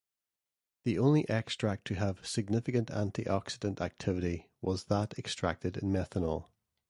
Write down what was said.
The only extract to have significant antioxidant activity was that extracted in methanol.